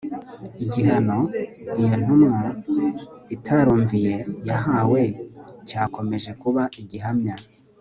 Igihano iyo ntumwa itarumviye yahawe cyakomeje kuba igihamya